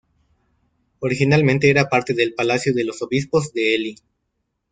Originalmente era parte del palacio de los obispos de Ely.